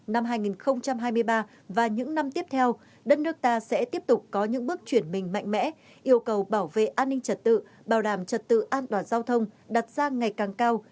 năm hai nghìn hai mươi ba và những năm tiếp theo đất nước ta sẽ tiếp tục có những bước chuyển mình mạnh mẽ yêu cầu bảo vệ an ninh trật tự bảo đảm trật tự an toàn giao thông đặt ra ngày càng cao